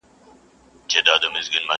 o بد په بلا اخته ښه دئ!